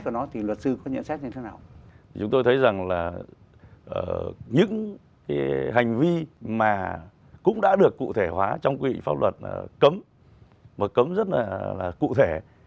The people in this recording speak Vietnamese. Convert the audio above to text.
chúng tôi thấy rằng là những hành vi mà cũng đã được cụ thể hóa trong quy định pháp luật cấm và cấm rất là cụ thể